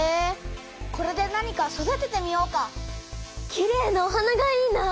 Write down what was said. きれいなお花がいいな。